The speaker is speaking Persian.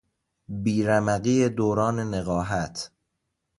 بی رمقی دوران نقاهت